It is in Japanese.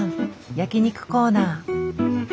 焼き肉コーナー。